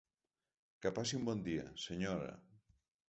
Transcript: Que passi un bon dia, senyora.